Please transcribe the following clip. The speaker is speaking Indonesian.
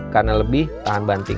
karena lebih tahan banting